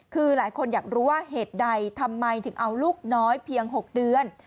คือหลายคนอยากรู้ว่าเหตุใดทำไมถึงเอาลูกน้อยเพียง๖เดือน